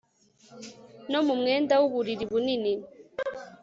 No mu mwenda wuburiri bunini